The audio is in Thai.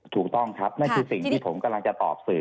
ถูกต้องครับนั่นคือสิ่งที่ผมกำลังจะตอบสื่อ